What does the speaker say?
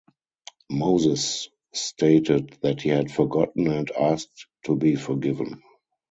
Moses stated that he had forgotten and asked to be forgiven.